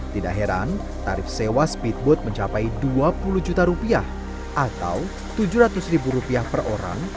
tidak heran tarif sewa speedboat mencapai dua puluh juta rupiah atau tujuh ratus ribu rupiah per orang